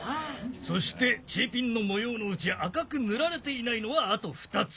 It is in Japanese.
そしてチーピンの模様のうち赤く塗られていないのはあと２つ。